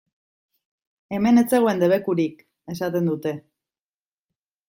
Hemen ez zegoen debekurik!, esaten dute.